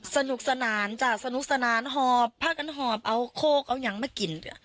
สนุกสนานจ้ะสนุกสนานหอบผ้ากันหอบเอาโคกเอาอย่างมากิน